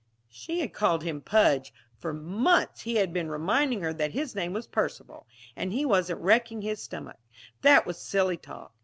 She had called him "Pudge." For months he had been reminding her that his name was Percival. And he wasn't wrecking his stomach. That was silly talk.